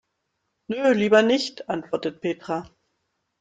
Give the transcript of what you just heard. Nö, lieber nicht, antwortet Petra.